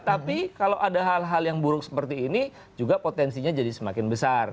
tapi kalau ada hal hal yang buruk seperti ini juga potensinya jadi semakin besar